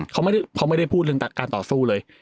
เขาไม่ได้พูดเรื่องการต่อสู้เลย